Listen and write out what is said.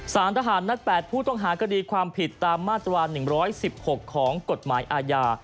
สารทหารนัด๘ผู้ต้องหาคดีความผิดตามมาตรา๑๑๖ของกฎหมายอาญา